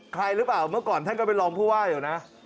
ใครหรือเปล่าเมื่อก่อนท่านก็เป็นรองผู้ว่าอยู่นะ